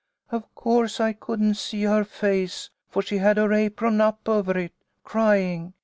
" Of course I couldn't see her face, for she had her apron up over it, crying.